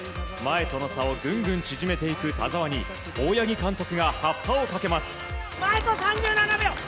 前との差をグングン縮めていく田澤に大八木監督がはっぱをかけます。